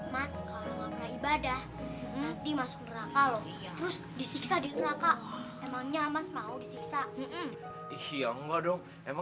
mas kalau nggak pernah ibadah nanti masuk neraka loh